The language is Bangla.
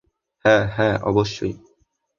হ্যাঁ, হ্যাঁ, অবশ্যই।